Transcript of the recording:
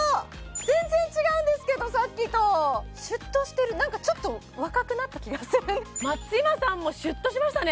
全然違うんですけどさっきとシュッとしてる何かちょっと若くなった気がする松嶋さんもシュッとしましたね